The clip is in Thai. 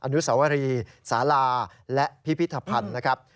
อนุสวรีสาราและพิพิธภัณฑ์นะครับ